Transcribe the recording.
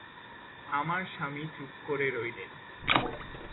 আমার স্বামী চুপ করে রইলেন।